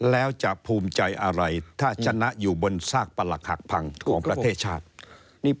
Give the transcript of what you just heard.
แล้วจะภูมิใจอะไรถ้าชนะอยู่บนซากประหลักหักพังของประเทศชาตินี่